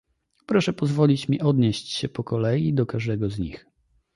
Proszę pozwolić mi odnieść się po kolei do każdego z nich